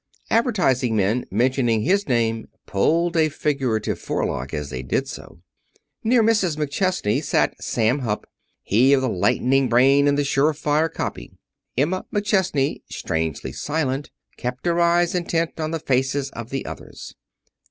Advertising men, mentioning his name, pulled a figurative forelock as they did so. Near Mrs. McChesney sat Sam Hupp, he of the lightning brain and the sure fire copy. Emma McChesney, strangely silent, kept her eyes intent on the faces of the others.